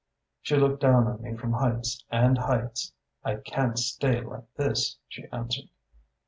"She looked down on me from heights and heights. 'I can't stay like this,' she answered.